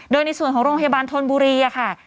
โดยในส่วนของโรงพยาบาลธนบุรีค่ะ